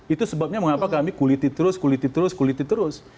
itu sebabnya mengapa kami kuliti terus kuliti terus kuliti terus